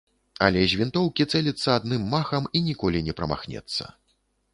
Але з вінтоўкі цэліцца адным махам і ніколі не прамахнецца.